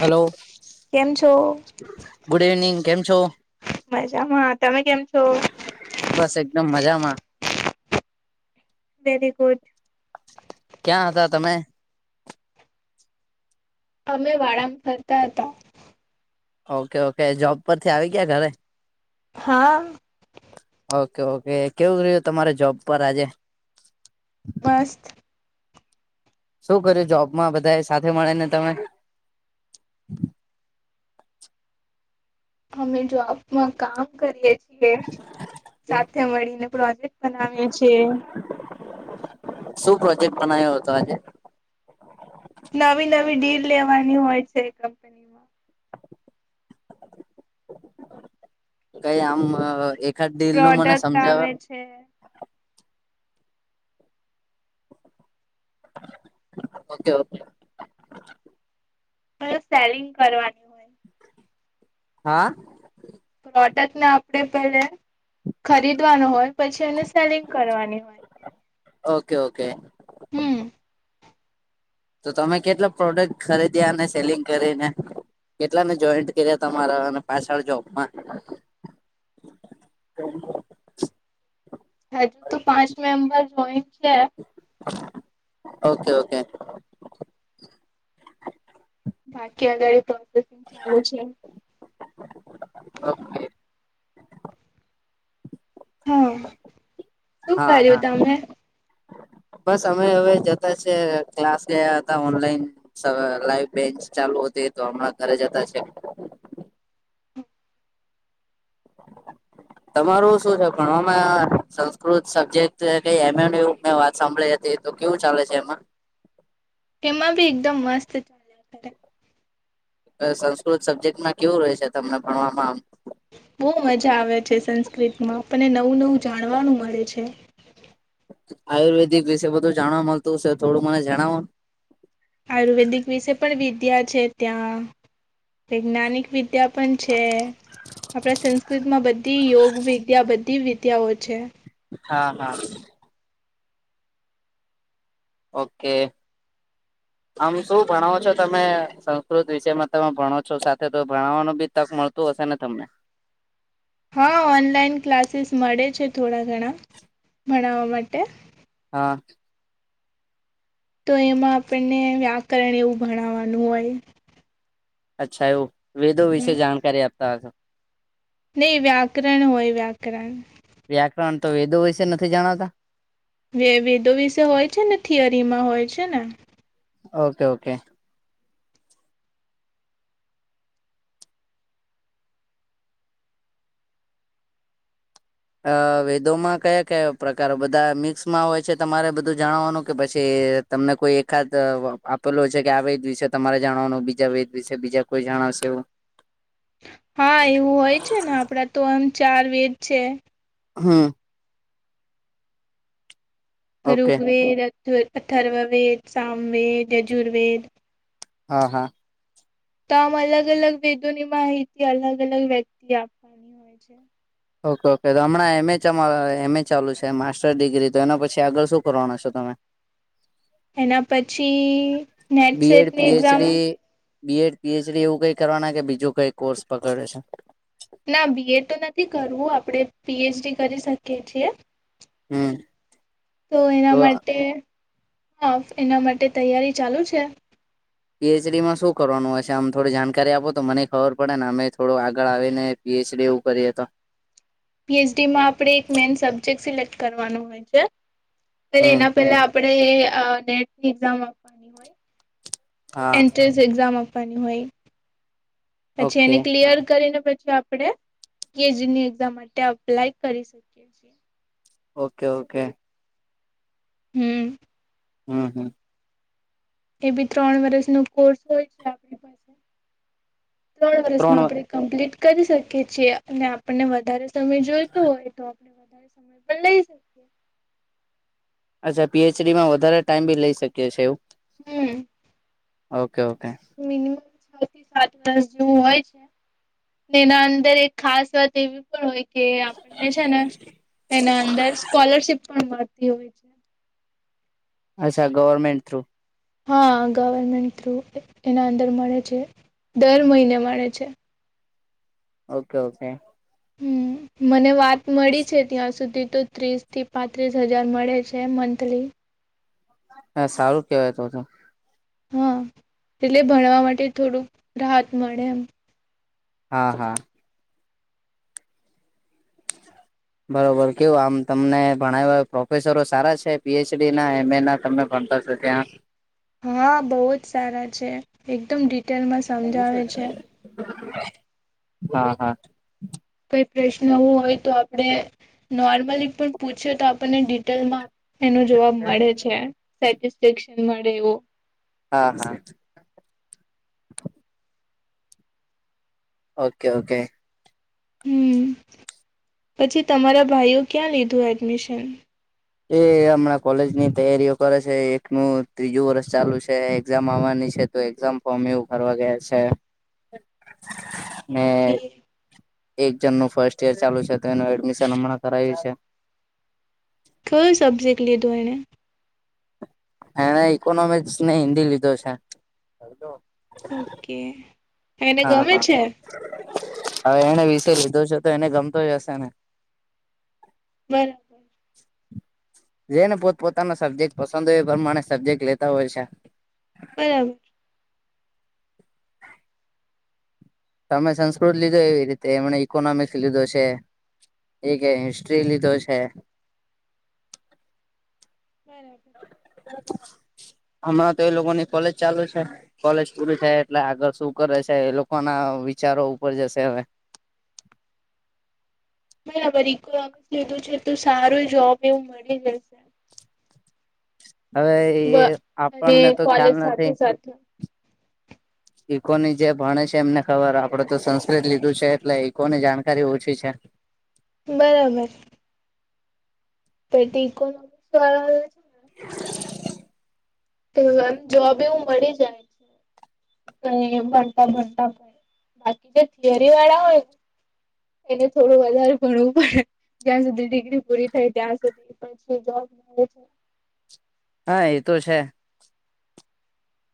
Hello કેમ છો good evening કેમ છો? મજામાં, તમે કેમ છો? બસ એકદમ મજામાં. Very good. ક્યાં હતા તમે? અમે વાડામાં ફરતા હતા. ઓકે ઓકે જોબ પરથી આવી ગયા ઘરે? હા. ઓકે ઓકે કેવું રહ્યું તમારે જોબ પર આજે? બસ શું કર્યું જોબમાં બધા સાથે મળે ને તમે? અમે જોબમાં કામ કરીએ છીએ સાથે મળીને પ્રોજેક્ટ બનાવીએ છી શું પ્રોજેક્ટ બનાવ્યો હતો આજે નવી નવી ડીલ લેવાની હોય છે કંપનીમાં કઈ આમ એકાદ દિલ નું મને સમજાવે હૈ ઓકે ઓકે સેલિંગ કરવાની હોય હા પ્રડકને આપડે પેલે ખરીદવાનું હોય પછી એને સેલિંગ કરવાની હોય ઓકે ઓકે હમ તો તમે કેટલા પ્રોડક્ટ ખરીદ્યા અને સેલિંગ કરીને કેટલા ને જોઈન્ટ કર્યા તમારા અને પાછળ જોબમાં [unintelligible] હજુ તો પાંચ મેમ્બર જોઈન છે ઓકે ઓકે બાકી અગળ પ્રોસેસિંગ ચાલુ છે ઓકે હમ્મ હા હા [inaudible] બસ અમે હવે જતા છે ક્લાસ લયા હતા ઓનલાઈન લાઈવ બેન્ચ ચાલુતી તો હમણાં ઘરે જતા છે [inaudible] તમારું શું છે ભણવામાં સંસ્કૃત સબ્જેક્ટ ક એમ એ ની મેં વાત સાંભળી હતી તો કેવું ચાલે છે એમાં એમાં બી એકદમ મસ્ત ચાલેયા કરે સંસ્કૃત સબ્જેક્ટમાં કેવું રહે છે તમને ભણવામાં આમ બહુ મજા આવે છે સંસ્કૃતમાં પણને નવું નવું જાણવાનું મળે છે આયુર્વેદિક વિશે બધું જાણવા મળતું હ છે થોડું મને જણાવો આયુર્વેદિક વિશે પણ વિદ્યા છે ત્યાં વૈજ્ઞાનિક વિદ્યા પણ છે આપણા સંસ્કૃત માં બધી યોગ વિદ્યા બધી વિદ્યાઓ છે હા હા ઓકે [inaudible] આમ શું ભણાવો છો તમે સંસ્કૃત વિષ માં તમે ભણો છો સાથે તો ભણાવવા બી તક મળ તુ ઓસા ના તમને હા ઓનલાઈન ક્લાસીસ મળે છે થોડા ઘણા ભણવા માટે હા તો એમાં આપણને વ્યાકરણ એવું ભણાવવાનું હોય અચ્છા એવું વેદો વિશે હમ જાણકારી આપતા હશે નહી વ્યાકરણ હોય વ્યાકરણ વ્યાકરણ તો વેદો વિશે નથી જણાતા વેદો વિશે હોય છે ને થિયરીમાં હોય છે ને ઓકે ઓકે. અ વેદોમાં કયા કયા પ્રકાર બધા મિક્સમાં હોય છે તમારે બધું જાણવાનું કે પછી. તમને કોઈ એકાદ આપેલો છે કે આ વેદ વિશે તમારે જાણવાનું બીજા વેદ વિશે બીજા કોઈ જણાવશે એવું. [unintelligible] હા એવું હોય છે ને આપડા તો એમ ચાર વેદ છે. હા. ઓકે ઋગ્વેદ અથ અથર્વવેદ સામવેદ યજુર્વેદ. હા હા. તો આમ અલગ અલગ વેદોની માહિતી અલગ અલગ વ્યક્તિ આપવાની હોય છે. ઓકે ઓકે તો હમણાં એમ એ ચ એમ એ ચાલુ છે માસ્ટર ડિગ્રી તો એના પછી આગળ શું કરવાનું છો તમે. એના પછી નેટ બીએડ સેટની એક્ઝામ પીએચડી બીએડ પીએચડી એવું કઈ કરવાના કે બીજું કઈ કોર્સ પકડે છે? ના બીએ તો નથી કરવું આપણેે પીએચડી કરી શકીએ છીએ. હમ. તો એના માટે હા એના માટે તૈયારી ચાલુ છે. પીએચડી માં શું કરવાનું હશે આમ થોડી જાણકારી આપો તો મને ખબર પડે ને અમે થોડું આગળ આવીને પીએચડી એવું કરીએ તો પીએચડી માં આપણે એક મેન સબ્જેક્ટ સિલેક્ટ કરવાનું હોય છે હમ એના પહેલા આપે નેટની એક્ઝામ પાણી હોય. હા એન્ટ્રન્સ એક્ઝામ આપવાની હોય પછી ઓકે એને ક્લિયર કરીને પછી આપણે કેજી ની એક્ઝામ માટે અપ્લાય કરી શકીએ છીએ. Okay okay. હમ. હમ હમ. એ બી ત્રણ વર્ષ ન કોર્સ હોય છે આપણી પાસે ત્રણ વર્ષમાં આપણે કમ્પ્લીટ કરી શકીએ છીએ અને આપણને વધારે સમય જોઈતો હોય તો [unintelligible] અચ્છા પીએચડીમાં વધારે ટાઈમ બી લઈ શકીએ છી એવું? હમ. Okay okay. મિનિમમ છ થી સાત વર્ષ જેવું હોય છે. ને એના અંદર એક ખાસ વાત એવી પણ હોય કે આપણને છે ને એના અંદર સ્કોલરશીપ પણ મળતી હોય છે. અચ્છા ગવર્મેન્ટ થ્રુ. હા ગવર્મેન્ટ થ્રુ એના અંદર મળે છે દર મહિને મળે છે. Okay okay. હમ મને વાત મળી છે ત્યાં સુધી તો ત્રીસથી પાંત્રીસ હજાર મળે છે મંથલી. હા સારું કેવાય તો તો. હા એટલે ભણવા માટે થોડુંક રાહત મળે એમ. હા હા. બરોબર કેવું આમ તમને ભણાવ પ્રોફેસરો સારા છે પીએચડી ના એમ એ ના તમે ભણતા ત્યાં. હા બહુ જ સારા છે એકદમ ડિટેલમાં સમજાવે છે હા હા. કઈ પ્રશ્ન એવો હોય તો આપણે નોર્મલી પણ પૂછ્યું તો આપણને ડિટેલમાં એનો જવાબ મળે છે સેટિસફેક્શન મળે એવ. હા હા ઓકે ઓકે. હમ પછી તમારા ભાઈઓ ક્યાં લીધું એડમિશન? એ હમણાં કોલેજ ની તૈયારીઓ કરે છે એકનું ત્રીજું વરષ ચાલુ છે એક્ઝામ આવવાની છે. તો એક્ઝામ ફોર્મ એ ઉ ભરવા ગયા છે. ને ઓકે. એક જનનું ફર્સ્ટ ઈયર ચાલુ છે તો એનું એડમિશન હમણાં કરાયું છે કોઈ સબજેક્ટ લે તું એને એણે ઈકોનોમિક્સ ને હિન્દી લીધો છે ઓકે એને હા ગમે છે હા હવે એને વિશે લીધો છે તો એને ગમતો હશે ને બર જે ને પોતપોતાનો સબ્જેક્ટ પસંદ હોય પ્રમાણે સબ્જેક્ટ લેતા હોય છે પરરાબ [unintelligible] તમે સંસ્કૃત લીધો એવી રીતે એમણે ઇકોનોમિક્સ લીધો છે એ કે હિસ્ટ્રી લીધો છે બરાબર હમણાં તો એ લોકોની કોલેજ ચાલુ છે કોલેજ પૂરી થાય એટલે આગળ શું કરે છે એ લોકો ના વિચારો ઉપર જશે હવે બરાબર ઇકોનોમિકસ લીધું છે તો સારો જોબ એવું મળી જશે હવે એ અને આપણને તો ખ્યાલ કોલેજ સાથે નથી. સાથે ઈકોની જે ભણે છે એમને ખબર આપડે તો સંસ્કૃત લીધું છે એટલે ઈકોની જાણકારી ઓછી છે બરાબર તો [unintelligible] [inaudible] [inaudible] એમ જોબ એવું મળી જ ને કઈ એમ ભણતા ભણતા ભ બાકી જે થિયરી વાળા હોય ને એને થોડું વધારે ભણવું પડે જ્યાં સુધી ડિગ્રી પૂરી થાય ત્યાં સુધી પછી જોબ મળે છે હા એ તો છે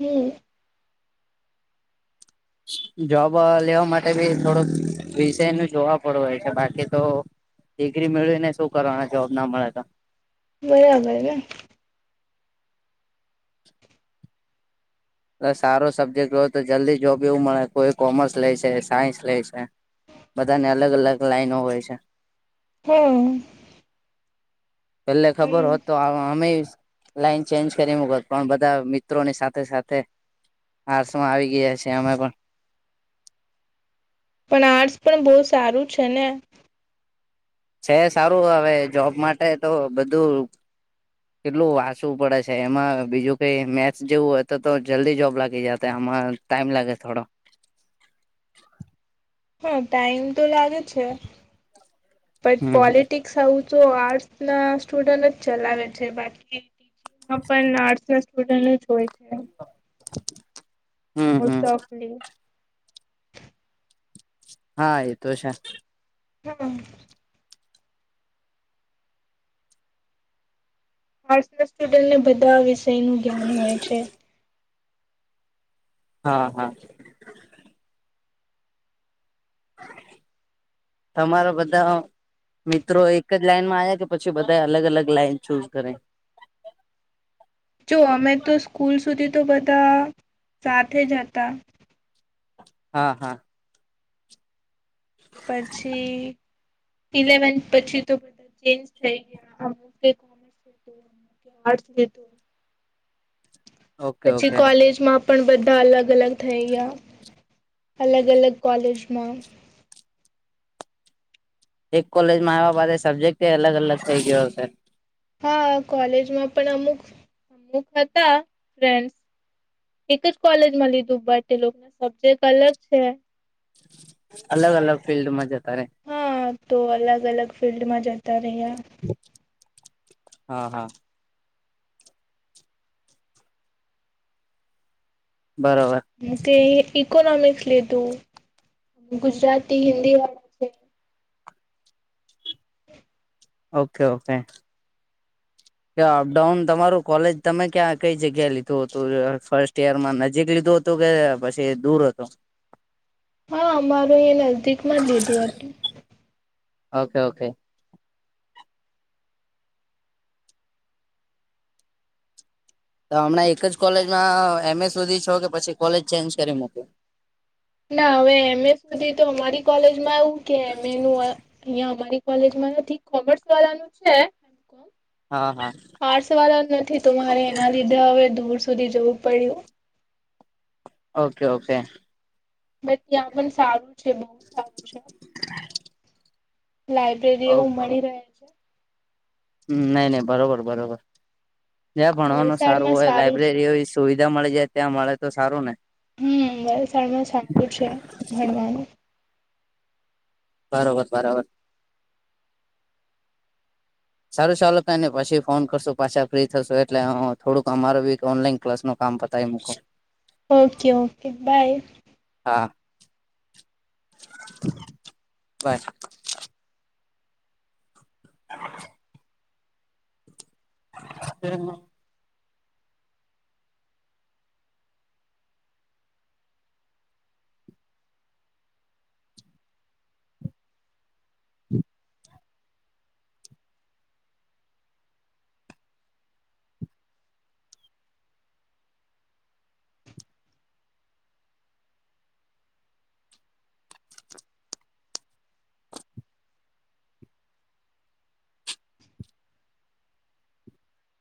હમ જોબ લેવા માટે બી થોડોક વિષય નું જોવા પડું હોય છે બાકી તો ડિગ્રી મેળવી ને શું કરવાના જોબ ના મળે તો બરાબર સારો સબ્જેક્ટ હોય તો જલ્દી જોબ એવું મળે કોઈ કોમર્સ લે છે સાયન્સ લે છે બધાને અલગ અલગ લાઈનો હોય છે હમ પેલે ખબર હોત પણ તો અમે લાઈન ચેન્જ કરી મકોત પણ બધા મિત્રોની સાથે સાથે આટર્સમાં આવી ગયા છીએ અમે પણ પણ આર્ટસ પણ બહુ સારું છે ને છે સારું હવે જોબ માટે તો બધું કેટલું વાંચવું પડે છે એમાં બીજું કઈ મેથસ જેવું હોય તો તો જલ્દી જોબ લાગી જ આમાં ટાઈમ લાગે થોડો હા ટાઈમ તો લાગે છે બટ હમ પોલિટિક્સ તો આર્ટસ ના સ્ટુડન્ટ જ ચલાવે છે બાકી પણ આર્ટસ ના સ્ટુડન્ટ જ હોય છે થેન્ક યુ મોસ્ટ ઓફલી હા એ તો હછા હમ. હ ના સ્ટુડને બધા વિષયનુંું જ્ઞાન હોય છે. હા હા. [inaudible] તમારા બધા. મિત્રો એક જ લાઈનમાં આવ્યા કે પછી બધા અલગ અલગ લાઈન ચૂઝ કરે. જો અમે તો સ્કૂલ સુધી તો બધા સાથે જ હતા. હા હા. પછી. ઇલેવથ પછી તો બધા ચેન્જ થઈ ગયા અમુકે કોમર્સ લીધું. અમુકે આડ્સ લી દું. ઓકે પછી ઓકે કોલેજમાં. પણ બધા અલગ અલગ થઈ ગયા અલગ અલગ કોલેજમાં. એક કોલેજમાં આવવા બા સબ્જેક્ટ અલગ અલગ થઈ ગયો છે. હા કોલેજમાં પણ અમુક અમુક હતા ફ્રેન્ડસ. એક જ કોલેજમાં લીધું બટ એ લોકો ને સબ્જેક્ટ અલગ છે. અલગ અલગ ફિલ્ડમાં જતા રે. હા તો અલગ અલગ ફિલ્ડમાં જતા રહ્યા. હા હા. બરાબર. મ ઇકોનોમિક્સ લીધું ગુજરાતી, હિન્દી વાળા. છે ઓકે ઓકે. [inaudible] અપ ડાઉન તમારું કોલેજ તમે ક્યાં કઈ જગ્યાએ લીધું હતું ફર્સ્ટ યર માં નજીક લીધું હતું. તો કે પછી દૂર હતો. હા અમારું એ નજદીક માં લીધું હતું. Okay okay. તો હમણાં એક જ કોલેજમાં એમ એ સુધી છો કે પછી કોલેજ ચેન્જ કરી મૂક. ના હવે એમ એ સુધી તો અમારી કોલેજમાં આવું કે એમ એ નું. અહિયાં અમારી કોલેજમાં નથી કોમર્સ વાળાનું છે એમ કોમ. હા હા. પાર્સ વાળા નથી તો મારે એના લીધે હવે દૂર સુધી જવું પડ્યું. Okay okay. બટ ત્યાં પણ સારું છે બહુ સારું છે લાઇબ. એવું મળી રહે. છે હમ નઈ નઈ બરોબર બરોબર જ્યાં ભણવાનું સારું વલસાડમાં હોય છે લાઈબ્રેરી હોય. સુવિધા મળી જાય ત્યાં મળે તો સારું ને. હમ વલસાડમાં સારું છે ભણવાનું. બરાબર બરાબર. સારું ચાલો કઇ ને પછી ફોન કરશું પાછા ફ્રી થશું એટલે થોડુંક અમારો બી ઓનલાઈન ક્લાસ નો. કામ પતાવી મુકુ. Okay okay bye. હા બસ. એ [unintelligible] હ તેમાં હમ.